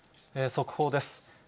速報です。